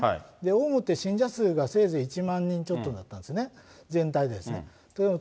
オウムって信者数がせいぜい１万人ちょっとだったんですね、全体でですね。